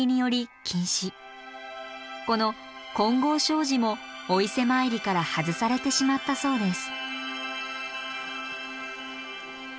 この金剛證寺もお伊勢参りから外されてしまったそうです。